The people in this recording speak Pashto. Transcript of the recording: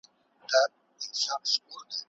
قانوني بدلونونه به بحث شي.